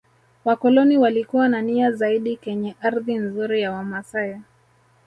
Wakoloni walikuwa na nia zaidi kenye ardhi nzuri ya wamasai